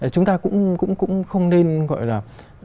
chúng ta cũng không nên gọi là